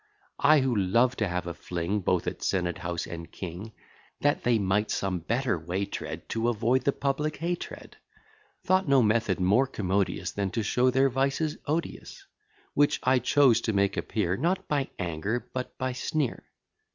I who love to have a fling Both at senate house and king: That they might some better way tread, To avoid the public hatred; Thought no method more commodious, Than to show their vices odious; Which I chose to make appear, Not by anger, but by sneer.